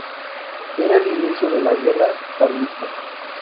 Era el inicio de la guerra carlista.